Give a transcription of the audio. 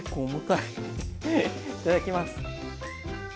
いただきます。